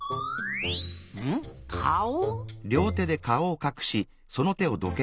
んっかお？